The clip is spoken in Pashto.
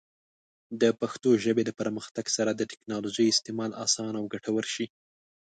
د پښتو ژبې د پرمختګ سره، د ټیکنالوجۍ استعمال اسانه او ګټور شي.